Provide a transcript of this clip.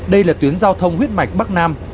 đây là tuyến giao thông huyết mạch bắc nam